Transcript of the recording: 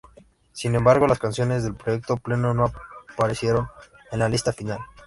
Sin embargo las canciones del proyecto pleno no aparecieron en la lista final.